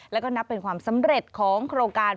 แล้วก็นับเป็นความสำเร็จของโครงการ